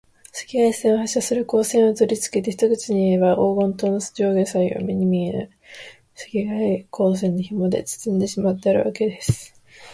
赤外線を発射する光線をとりつけて、一口にいえば、黄金塔の上下左右を、目に見えぬ赤外光線のひもでつつんでしまってあるわけです。